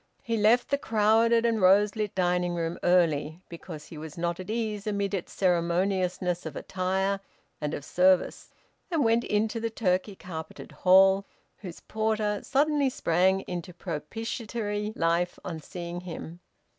He left the crowded and rose lit dining room early, because he was not at ease amid its ceremoniousness of attire and of service, and went into the turkey carpeted hall, whose porter suddenly sprang into propitiatory life on seeing him.